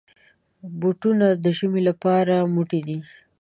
بوټونه د ژمي لپاره موټي وي.